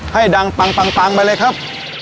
ให้ดังปังไปเลยครับ